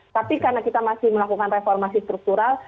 tapi karena kita masih melakukan reformasi struktural